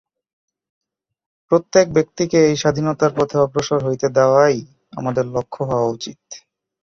প্রত্যেক ব্যক্তিকে এই স্বাধীনতার পথে অগ্রসর হইতে দেওয়াই আমাদের লক্ষ্য হওয়া উচিত।